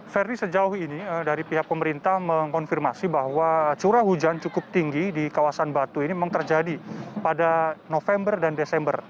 ferdi sejauh ini dari pihak pemerintah mengkonfirmasi bahwa curah hujan cukup tinggi di kawasan batu ini memang terjadi pada november dan desember